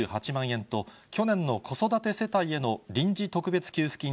円と去年の子育て世帯への臨時特別給付金